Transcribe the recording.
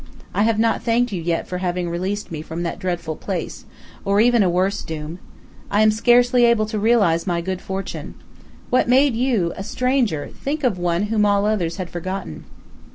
"I have not thanked you yet for having released me from that dreadful place, or even a worse doom. I am still scarcely able to realize my good fortune. What made you, a stranger, think of one whom all others had forgotten?"